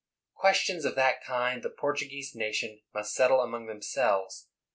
Ques tions of that kind the Portuguese nation must settle among themselves.